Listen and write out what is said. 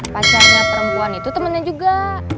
pacarnya perempuan itu temannya juga